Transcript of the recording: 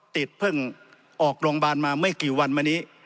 ติดเพิ่งออกโรงบาลมาไม่กี่วันเมื่อนี้